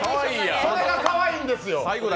それがかわいいんですよ。